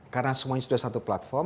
karena semuanya sudah satu platform